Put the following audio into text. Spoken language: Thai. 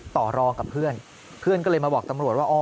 ต่อรองกับเพื่อนเพื่อนก็เลยมาบอกตำรวจว่าอ๋อ